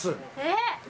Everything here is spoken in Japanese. えっ！？